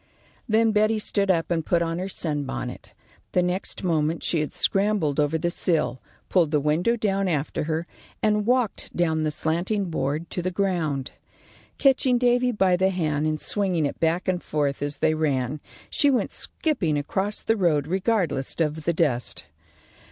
Then Betty stood up and put on her sunbonnet. The next moment she had scrambled over the sill, pulled the window down after her, and walked down the slanting board to the ground. Catching Davy by the hand, and swinging it back and forth as they ran, she went skipping across the road regardless of the dust.